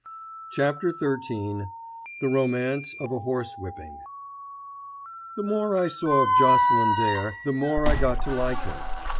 *CHAPTER XIII* *THE ROMANCE OF A HORSEWHIPPING* The more I saw of Jocelyn Dare the more I got to like him.